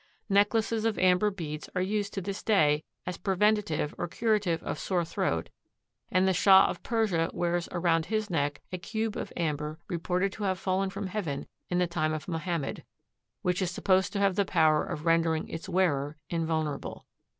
Necklaces of amber beads are used to this day as preventive or curative of sore throat and the Shah of Persia wears around his neck a cube of amber reported to have fallen from heaven in the time of Mohammed, which is supposed to have the power of rendering its wearer invulnerable.